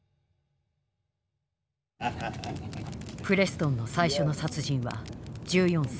プレストンの最初の殺人は１４歳。